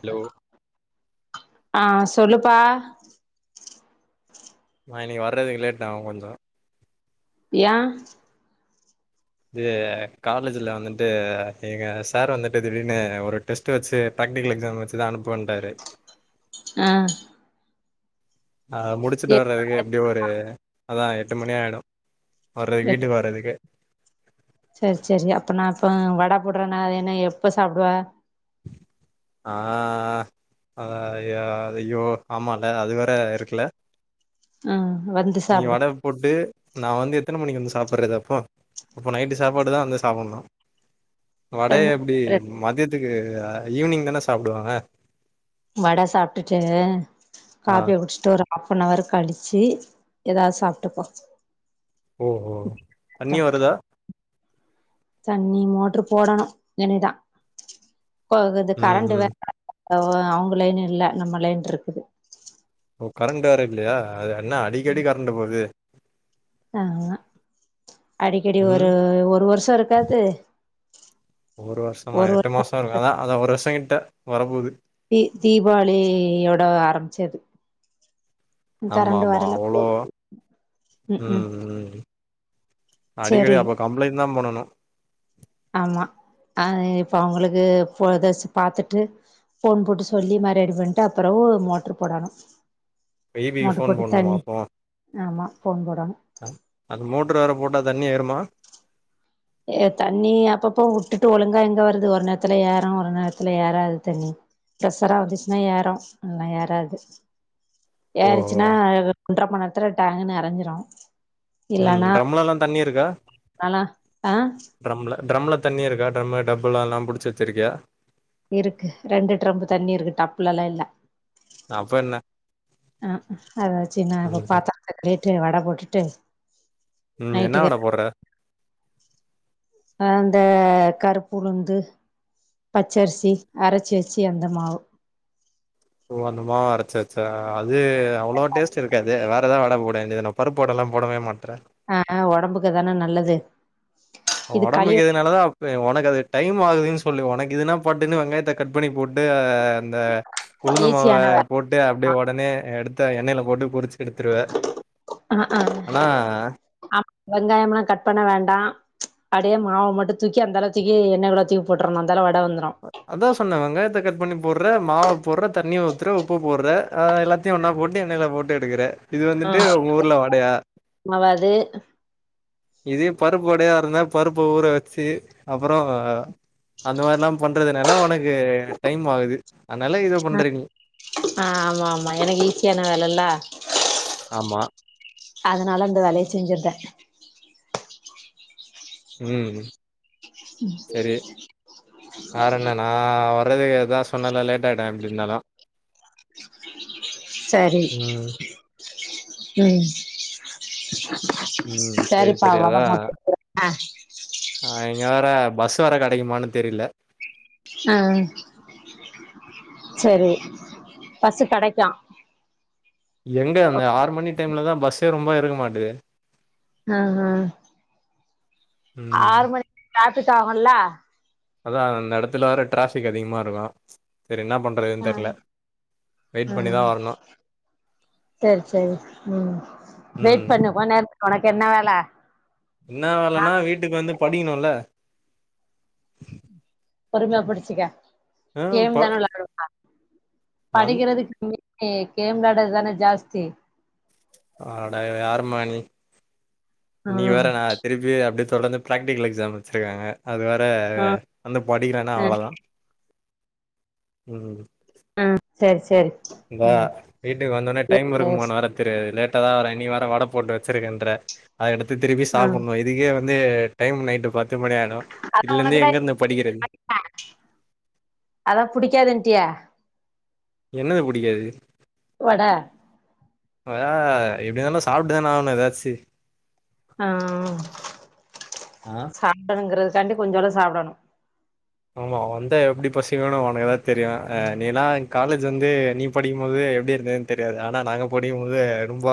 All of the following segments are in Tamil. அலோ ஆ சொல்லுப்பா நா இன்னிக்கி வர்ரதுக்கு லேட்டாகு கொஞ்சோ யா அது காலேஜ்ல வந்துட்டு எங்க சார் வந்துட்டு திடீர்னு ஒரு டெஸ்ட்டு வச்சு ப்ராக்டிகல் எக்ஸாம் வச்சு தா அனுப்புவன்ட்டாரு ஆ ஆ முடிச்சுட்டு வர்றதுக்கு எப்படியு ஒரு அதா எட்டு மணி ஆயிடு வர்ற வீட்டுக்கு வர்றதுக்குகே சரி சரி அப்ப நா இப்ப வட போடுறன அத என்ன எப்ப சாப்பிடுவ ஆ அத ஐயா ஐயோ ஆமால அது வேற இருக்குல அ வந்து சாப்பிடு ஃபுட்டு நா வந்து எத்தன மணிக்கு வந்து சாப்படுறது அப்போ அப்போ நைட்டு சாப்பாடு தா வந்து சாப்புன்னு வடய எப்டி மதியத்துக்கு ஈவினிங் தான சாப்புடுவாங்க வட சாப்ட்டுட்டு ஆ காபிய குடிச்சிட்டோறோ ஹாஃப் அன் ஹவர் கழிச்சு ஏதாவது சாப்ட்டுக்கோ ஓ ஓ தண்ணி வருதா தண்ணி மோட்டரு போடணு இனிதா [unintelligible] து ம் கரண்ட்டு ம் வேற அவ அவங்க லைன் இல்ல நம்ம லைன்ருக்குது ஓ கரண்ட் வேற இல்லையா அது என்ன அடிக்கடி கரண்ட்டு போகுது [inaudible] அடிக்கடி ம். ஒரு ஒரு வருஷோ இருக்காது ஒரு வருஷமா ஒரு எட்டு வருஷோ மாசோ இருக்காதா அதா ஒரு வருஷோ கிட்ட வரப்போகுது தீ தீபாவளியோட ஆரம்மிச்சது ம் ஆமா, கரண்டு ஆமா. வரல அவ்ளோ [inaudible] ம் ம் அடிக்கடி செரி அப்ப கம்ப்ளைண்ட் தா பண்ணனு ஆமா ஆ இப்ப அவங்களுக்கு போதஸ்சு பாத்துட்டு ஃபோன் போட்டு சொல்லி மா ரெடி பண்ட்டு அப்பிறவு மோட்ரு போடணு ஈபிக்கு மோட்டார் ஃபோன் போட்டு பண்ணணுமா தண்ணி ஆமா ஃபோன் போடணு ஆ அந்த மோட்டரு வேற போட்டா தண்ணி ஏறுமா எ தண்ணி அப்பப்ப வுட்டுட்டு ஒழுங்கா எங்க வருது ஒரு நேரத்துல ஏறு ஒரு நேரத்துல ஏறாது தண்ணி பிரஷரா வந்துச்சுன்னா ஏறு இல்லான்னா ஏறாது ஓஹோ! ஏறுச்சுன்னா ஒன்ற மண் நேரத்துல டேங்க் நெரஞ்சிரு ம் டிராம்லல்லா தண்ணி இருக்கா கலா ஆ டிரம்ல டரம்ல தண்ணி இருக்கா டிரம்மு டாப்புலல்லா புடிச்சி வச்சிருக்கியா இருக்கு ரெண்டு ட்ரம்பு தண்ணி இருக்கு டப்புல எல்லா இல்ல அப்ப என்ன? ஆஆ அதாச்சு நா இத ம்ஹ்ம். பாத்தா அ கேட்டு வட போட்டுட்டு ம் என்ன நைட்டுக்கு வட போட்ற அந்த கருப்பு உளுந்து பச்சரிசி அரைச்சி வச்சு அந்த மாவு ஓ அந்த மாவு அரச்சச்சா அது அவ்ளோ டேஸ்ட் இருக் காது வேற ஏதா வட போட வேண்டியது தானே பருப்பு வட எல்லா போடவே மாட்ற ஆ உடம்புக்கு அதான நல்லது இது களி ஒடம்புக்கு இதுனாலதா ப்பு ஒனக்கு அது டைம் ஆகுதுன்னு சொல்லு ஒனக்கு இதுனா பட்டுன்னு வெங்காயத்த கட் பண்ணி போட்டு அ அந்த உளுந்து மாவ ஈஸியான போட்டு அப்படியே வேலமா உடனே எடுத்து எண்ணெயில போட்டு பொறிச்சி ஆ ஆ ஆமா வெங்காயம்லா கட் பண்ண வேண்டா ம்ச் அப்டியே மாவ மட்டு தூக்கி அந்தாள தூக்கி எண்ணெ குள்ள தூக்கி போட்றனு அந்தாள வட வந்துரு அதா சொன்ன வெங்காயத்த கட் பண்ணி போட்ற மாவ போட்ற தண்ணிய ஊத்துற உப்பு போட்ற அ எல்லத்தையு ஒன்னா போட்டு எண்ணைல போட்டு எடுக்குற இது வந்துட்டு உங்க ஊர்ல வடையா மாவாது இதே பருப்பு வடையா ருந்தா பருப்பு ஊற வச்சு அப்பறொ அந்த மாதிரி ல்லா பண்றதுனால ஒனக்கு டைம் ஆகுது அதனால இத பண்ற நீ ஆ ஆமா ஆமா எனக்கு ஈஸியான வேலல்ல ஆமா அதனால இந்த வேலைய செஞ்ஞிர்த உம் ம் வேர என்ன நா வர்றதுக்கு எத சொன்னல லேட் ஆய்டு எப்டி இருந்தாலு சரி ம். உம் ம். சரி, சரிப்பா சரி வட அதான் போட்டு அ இங்க வேற பஸ் வேற கெடக்குமான்னு தெரில ஆ சரி பஸ் கெடைக்க எங்க அந்த ஆறு மணி டைம்ல தா பஸ்ஸே ரொம்ப இருக்க மாட்டிதே ஆஹ ம். ஆறு மணிக்கு சாப்புட்டாகல அதா அந்த எடத்துல வேற டிராஃபிக் அதிகமா இருக்கு சரி என்ன பண் அ ம் தான் வரணும். சரி சரி உம் ம். வெயிட் பண்ணு [unintelligible] உனக்கு என்ன வேல என்ன நா வேலன்னா வீட்டுக்கு வந்து படிக்கணுல பொறுமயா படிச்சுக்கொ ம் ப கேம் தான வெளாடு வந் படிக்கறது கம்மி கேம் வெளயட்றது தான ஜாஸ்தி ஆட யாருமா நீ நீ ம் வேற நா திருப்பி அப்டி சொல்ல வந்து ப்ராக்டிக்கல் எக்ஸாம் வச்சுருக்காங்க அது வேற ம் வந்து படிக்கலன்னா ம் அவ்ளோதா ம் அ சரி சரி இந்தா வீட்டுக்கு வந்தோனே டைம் இருக்குமானு வேர லேட்ட தா வர நீ வேற வட போட்டு வச்சிருக்கன்ற அத எடுத்து திருப்பி ம் சாப்பிட்னு இதுக்கே வந்து டைம் நைட்டு பத்து மணி ஆய்டு அதா ஒனக்குதா [inaudible] அதா புடிக்கதுன்ட்டிய என்னது புடிக்காது வட அ எப்டி இந்தாலு சாப்ட்டுதானே ஆகணு ஏதாச்சு அ அ ஆ சாப்பிடணுங்கிறதுக்காண்டி கொஞ்சோல சாப்டனு ஆமா வந்த எப்டி பசிங்குன்னு ஒனக்குதா தெரியு நீ எல்லா காலேஜ் வந்து நீ படிக்கும்போது எப்படி இருந்த தெரியாது ஆனா நாங்க படிக்கும் போது ரொம்ப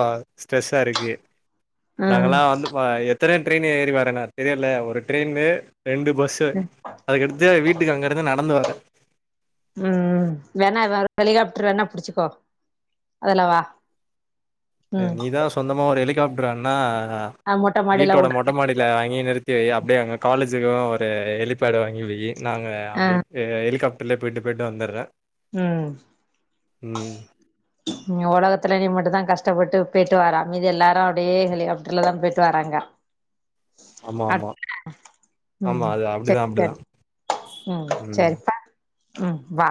ஸ்ட்ரெஸ்ஸா ருக்கு நாங்க ம் ல்லா வந்து எத்தன ட்ரெயின் ஏறி வறனு தெரியுல ஒரு ட்ரெயின்னு ரெண்டு பஸ்ஸு ம் அதுக்கடுத்து வீட்டுக்கு அங்க இருந்து நடந்து வர உம் வேணா ஹெலிகாப்டர் வேணா புடிச்சுக்கோ அதுல வா நீதா சொந்தமா ஒரு ஹெலிகாப்டர் வேனா அ மொட்ட மாடில வீட்டோட மொட் உட்ற மொட்டமாடில வாங்கி நிறுத்தி வை அப்டியே அங்க காலேஜுக்கு ஒரு ஹெலிபேடு வாங்கி வை நாங்க ஆ அப்டி யே ஹெலிகாப்டர்லயே போயிட்டு போயிட்டு வந்துர்றே ம் ம் இங்க ஒலகத்துல நீ மட்டுந்தா கஷ்டப்பட்டு போயிட்டு வாறா மீதி எல்லாரு அப்டியே ஹெலிகாப்டர்ல தா போயிட்டு வர்றாங்க ஆமா ஆமா ஆமா ம் அது அப்டிதா சேரி அப்டிதா சேரி ம் சேரிப்பா ம் வா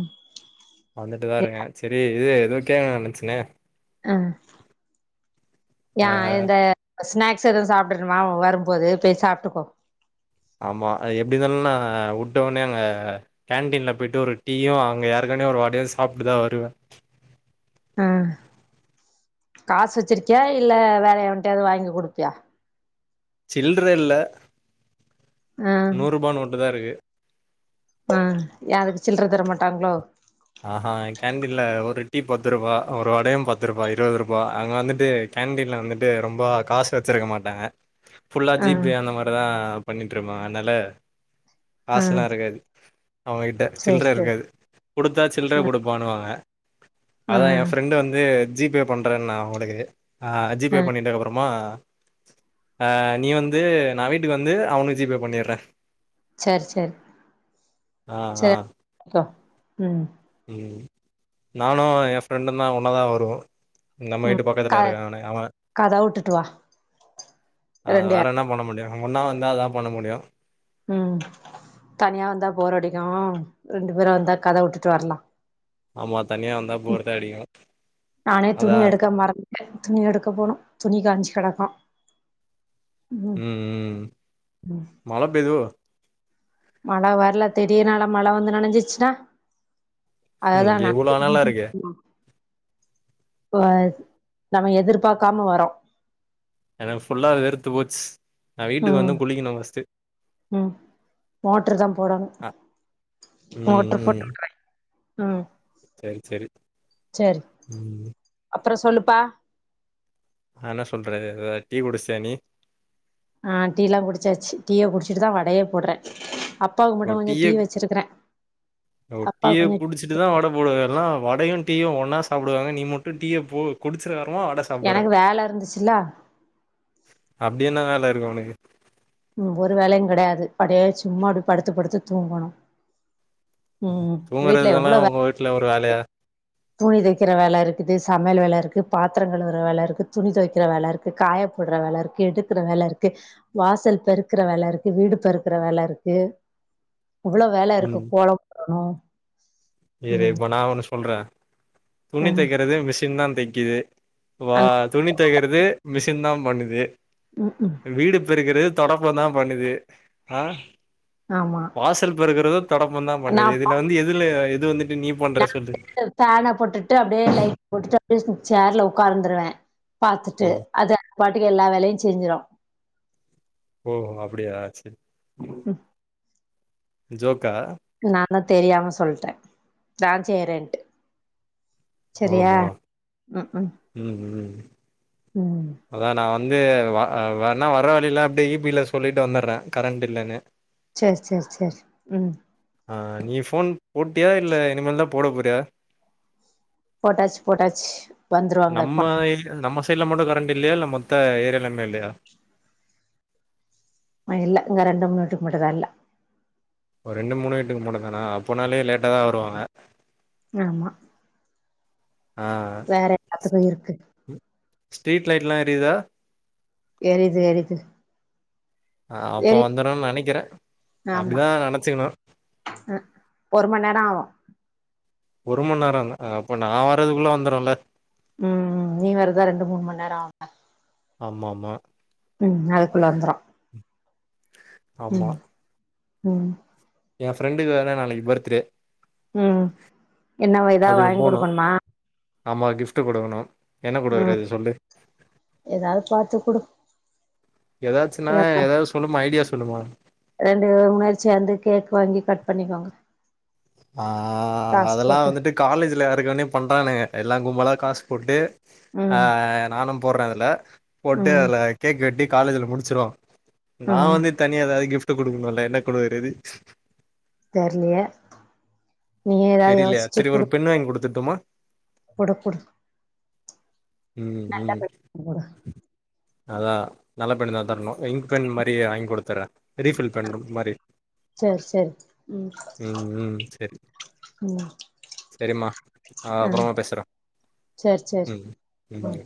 ம் வந்துட்டுதா இருக்கே செரி இது ஏதோ கேக்கணு நெனைச்சனே ஆ நியாயந்தா ஸ்நாக்ஸ் எதுவு சாப்டனுமா வரும்போது போய் சாப்ட்டுக்கோ ஆமா அது எப்டி இருந்தாலு நா உட்ட ஒன்னே அங்க கேன்டீன்ல போயிட்டு ஒரு டீயு அங்க ஏற்கனவே ஒரு வடையு சாப்ட்டுதா வருவே ஆ காசு வச்சிருக்கியா இல்ல வேற எவன்ட்டயாது வாங்கி குடுப்பியா சில்ர இல்ல ஆ நூறுபா நோட்டு தா இருக்கு ஆ ஏ அதுக்கு சில்ற தர மாட்டாங்ளோ ஆஹா கேண்டீன்ல ஒரு டீ பத்து ரூபா ஒரு வடையு பத்து ரூபா இருவது ரூபா அங்க வந்துட்டு கேண்டீன்ல வந்துட்டு ரொம்ப காசு வச்சிருக்க மாட்டாங்க ஃபுல்லா ஆ ஜி பே அந்த மாரிதா பண்ணிட்டு இருப்பாங்க அதனால ஆ காசுலா இருக்காது அவங்ககிட்ட சரி சில்ர சரி இருக்காது குடுத்தா சில்ர குடுப்பானுவாங்க ஆ ஆ அதா ஏ ஃப்ரெண்டு வந்து ஜி பே பண்றே நா உனக்கு ஆ ஜி ஆ பே பண்ணிட்டதுக்கு அப்பறமா ஆ நீ வந்து நா வீட்டுக்கு வந்து அவனுக்கு ஜி பே பண்ணிர்றே சேரி சேரி ஆ, ஆ, சேரி போ ம் ம் நானு ஏ ஃப்ரெண்டுந்தா ஒன்னாதா வருவோ நம்ம ம் வீட்டு பக் க கத்துல இருக்கானே அவே கதவ வுட்டுட்டு வா அது ரெண்டு வேற என்ன பண்ண முடியு ஒண்ணா வந்தா அதா பண்ண முடியு ம் தனியா வந்தா போரடிக்கு ரெண்டு பேரா வந்தா கத வுட்டுட்டு வரலா ஆமா தனியா வந்தா ம் போர் தான் அடிக்கும் நானே அதா துணி எடுக்க மறந் துணி எடுக்க போனு துணி காஞ்சி கெடக்கு ம் ம் மழ பெய்தோ மழ வர்ல திடிர்னு நல்ல மழ வந்து நெனஞ்சிருச்சின்னா ம் அததா இங்க நா இவ்ளோ நாளா இருக்கு [inaudible] [unintelligible] நம்ம எதிர்பாக்காம வர்றோ எனக்கு ஃபுல்லா வேர்த்து போச்சு நா வீட்டுக்கு ம் வந்து குளிக்கணு ஃபர்ஸ்ட்டு ம் மோட்ரு தா போடணு அ மோட்ரு போட்டு உட்றே ம் சேரி சேரி ம் அப்பறோ சொல்லுப்பா நா என்ன சொல்றது இது டீ குடிசியா நீ ஆ டீல்லா குடிச்சாச்சி டீய குடிச்சிட்டுதா வடையே போட்றே அப்பாவுக்கு ஓ மட்டு கொஞ்சோ டீய டீ வச்சிருக்றே ஓ டீய குடிச்சிட்டுதா வட ஊர்ல எல்லா வடையு டீயு ஒன்னா சாப்டுவாங்க நீ மட்டு டீய போ குடிச்சதுக்கு அப்பறமா வடை எனக்கு வேல இருந்துச்சில்ல அப்டி என்ன வேல இருக்கு ஒனக்கு ம் ஒரு வேலையு கெடயாது அபடியே சும்மா அப்டி படுத்து படுத்து தூங்கணு ம் வீட்ல தூங்குறதெல்லா எவ்ளோ வே உங்க வீட்ல ஒரு வேலையா [inaudible] துணி தக்கிற வேல இருக்குது சமையல் வேல இருக்கு பாத்ர கழுவுற வேல இருக்கு துணி தொவைக்கிற வேல இருக் கு காயப்போட்ற வேல இருக்கு எடுக்ற வேல இருக்கு வாசல் பெருக்குற வேல இருக்கு வீடு பெருக்குற வேல இருக்கு இவ்ளோ வேல இருக்கு ம் கோலம் ஆ இரு இப்ப நா ஒன்னு சொல்ற துணி ம் தைக்கிறது மிஷின் தா தைக்கிது வா துணி தைக்கறது மிஷின் தா பண்ணுது ம் ம் வீடு பெருக்குறது தொடப்பந்தா பண்ணுது ஆ ஆமா வாசல் பெறுக்கறதோ தொடப்பந்தா பண்ணுது நா இதுல வந்து எதுல எது வந்துட்டு நீ பண்ற சொல்லு பேன போட்டுட்டு அப்படியே லைட் போட்டுட்டு அப்படியே சேர்ல உக்காந்துருவே பாத்துட்டு ஓ அத பாட்டுக்கு எல்லா வேலையு செஞ்சிரோ ஓ அப்படியா செரி ம் ஜோக்கா நானா தெரியாம சொல்ட்டே டான்ஸ் ஏரண்ட்டு ஓஹோ ம் ம் ம் அதா நா வந்து அ வேணா வர வழியில அப்டியே ஈ பில சொல்லிட்டு வந்துடுறே கரண்ட் இல்லன்னு செர் செர் செர் ம் ஆங் நீ போன் போட்டியா இல்ல இனிமேல்தா போட போறியா போட்டாச் போட்டாச் வந்துருவாங்க நம்ம இப்பா நம்ம சைட்ல மட்டு கரண்ட் இல்லயா இல்ல மொத்த ஏரியாலமே இல்லயா அ இல்ல இங்க ரெண்டு மண்நேரத்துக்கு மட்டுந்தா இல்ல ஒரு ரெண்டு மூணு வீட்டுக்கு மட்டுந்தான அப்போனாலே லேட்டா தா வருவாங்க ஆமா ஆ வேற எல்லாத்துக்கு இருக்கு ஸ்ட்ரீட் லைட்லா எரியுதா எரிது எரிது ஆ அப்ப வந்துரும்னு நெனைக்கிறே ஆமா அப்படிதா நெனைச்சுக்கணு அ ஒரு மண்நேர ஆகு ஒரு மண்நேர அப்போ நா வரதுக்குள்ள வந்துருல்ல ம் நீ வருதா ரெண்டு மூணு மண் நேர ஆக ஆமா ஆமா ம் அதுக்குள்ள வந்துரு ம் ம் ஏ ஃப்ரெண்டுக்கு வேற நாளைக்கு பர்த்டே ம் என்னவா இதா அதுக்கு வாங்கி போனு குடுக்கணுமா ஆமா கிஃப்ட் குடுக்கணு என்ன ம் குடுக்குறது சொல்லு ஏதாவது பாத்து குடு ஏதாச்சுன்னா இதப்பா ஏதாவது சொல்லுமா ஐடியா சொல்லுமா ரெண்டு முணறச்சியாந்து கேக் வாங்கி கட் பண்ணிக்கோங்க ஆ காசு அதெல்ல போட்டு வந்துட்டு காலேஜில இருக்கவனே பண்ணுறானுங்க எல்லா கும்பலா காசு போட்டு அ ம் நானு போடுறதுல அதுல போட்டு ம் அதுல கேக் வெட்டி காலேஜ்ல முடிச்சிர நா ம் வந்து தனிய ஏதாவது கிஃப்ட்டு குடுக்கணும்ல என்ன குடுக்கறது தெரலயே தெரிலையா செரி ஒரு குடு பெண்ணு வாங்கி குடுத்துட்டோமா குடு குடு ம் ம் நல்லபடியா குடு அதான் நல்ல பெண் தான் தரணும் இங்க் பென் மாரியே வாங்கி கொடுத்தரே ரீஃபில் பண்ணறோம் மாரி சேரி சேரி ம் ம் செரி ஓ செரிம்மா அப்றமா பேசுறேன் சேரி சேரி ம்